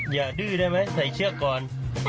ดื้อได้ไหมใส่เชือกก่อน